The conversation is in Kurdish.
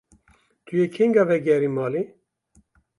Tu yê kengî vegerî malê.